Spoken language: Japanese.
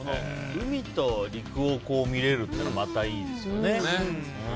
海と陸を見れるっていうのがまたいいですよね。